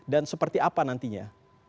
dan seperti apa nantinya